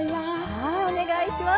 はいお願いします。